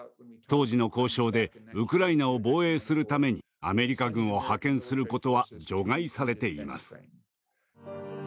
当時の交渉でウクライナを防衛するためにアメリカ軍を派遣することは除外されています。